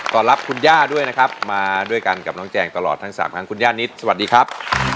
รับคุณย่าด้วยนะครับมาด้วยกันกับน้องแจงตลอดทั้งสามครั้งคุณย่านิดสวัสดีครับ